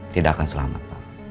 tidak akan selamat